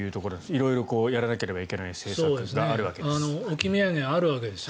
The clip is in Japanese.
色々やらなければいけない政策とかがあるわけです。